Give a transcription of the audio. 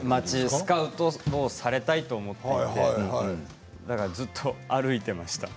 スカウトされたいと思ってずっと歩いていました。